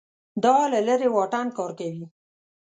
دا له لرې واټن کار کوي